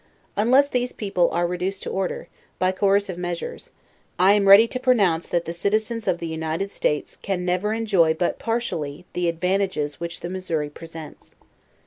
Unless these people are reduced to order> by coercive measures, I am ready to pronounce that the citizens of the United States can never enjoy but partially the advantages which the Missouri presents.